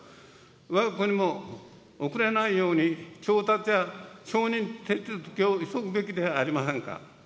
わが国も遅れないように調達や承認手続きを急ぐべきではありませんか。